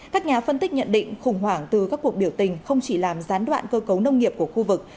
các nhà phân tích nhận định khủng hoảng từ các cuộc biểu tình không chỉ làm gián đoạn cơ cấu nông nghiệp của khu vực